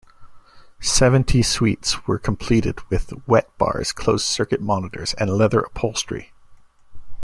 Seventy suites were completed with wet bars, closed circuit monitors and leather upholstery.